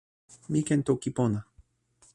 mi ken toki pona.